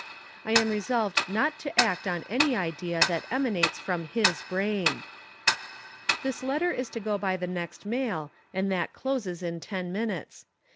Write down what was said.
I am resolved not to act on any idea that emanates from his brain. This letter is to go by the next mail, and that closes in ten minutes.